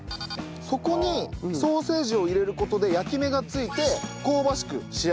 底にソーセージを入れる事で焼き目がついて香ばしく仕上がるそうで。